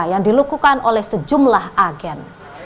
yang dilukukan oleh sejumlah agen